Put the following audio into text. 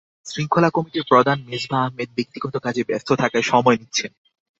শৃঙ্খলা কমিটির প্রধান মেজবাহ আহমেদ ব্যক্তিগত কাজে ব্যস্ত থাকায় সময় নিচ্ছেন।